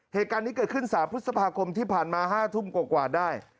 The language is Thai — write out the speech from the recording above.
เหตุการณ์นี้เกิดขึ้น๓พฤษภาคมที่ผ่านมา๕ทุ่มกว่าได้